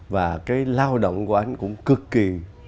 và cái lao động của anh cũng cực kỳ